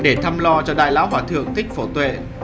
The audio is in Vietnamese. để thăm lo cho đại lão hòa thượng thích phổ tuệ